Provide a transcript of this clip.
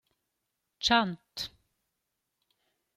Chant.